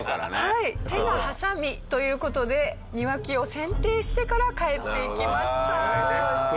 手がハサミという事で庭木を剪定してから帰っていきました。